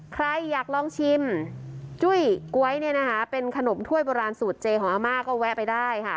ใครอยากลองชิมจุ้ยก๊วยเนี่ยนะคะเป็นขนมถ้วยโบราณสูตรเจของอาม่าก็แวะไปได้ค่ะ